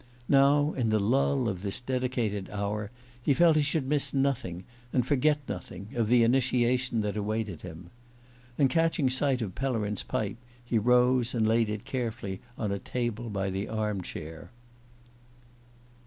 Now, in the lull of this dedicated hour, he felt that he should miss nothing, and forget nothing, of the initiation that awaited him. And catching sight of Pellerin's pipe, he rose and laid it carefully on a table by the arm chair.